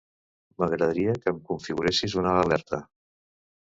M'agradaria que em configuressis una alerta.